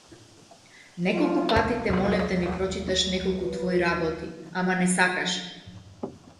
Неколку пати те молев да ми прочиташ неколку твои работи, ама не сакаше.